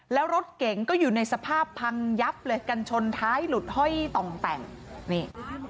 แล้วรถเก๋งก็อยู่ในสภาพพังยับเลยกันชนท้ายหลุดห้อยต่องแต่งนี่